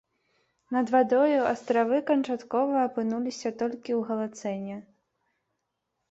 Над вадою астравы канчаткова апынуліся толькі ў галацэне.